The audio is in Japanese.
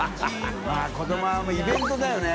泙子どもはイベントだよね